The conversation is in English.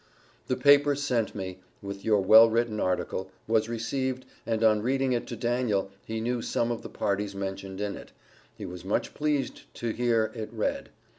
The paper sent me, with your well written article, was received, and on reading it to Daniel, he knew some of the parties mentioned in it he was much pleased to hear it read.